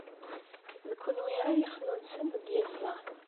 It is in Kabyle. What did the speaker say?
D kenwi ara yexnunsen deg yiẓẓan.